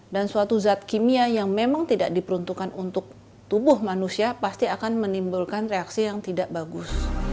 dan suatu zat kimia yang memang tidak diperuntukkan untuk tubuh manusia pasti akan menimbulkan reaksi yang tidak bagus